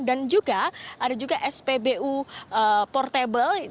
dan juga ada juga spbu portable